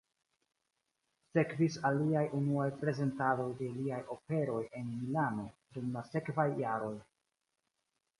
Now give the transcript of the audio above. Sekvis aliaj unuaj prezentadoj de liaj operoj en Milano dum la sekvaj jaroj.